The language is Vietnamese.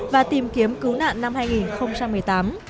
và tìm kiếm cứu nạn năm hai nghìn một mươi tám